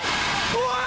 怖い！